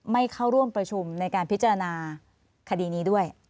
ไม่เข้าร่วมประชุมในการพิจารณาคดีนี้ด้วย